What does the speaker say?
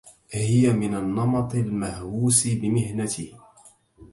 هي من النمط المهووس بمهنته.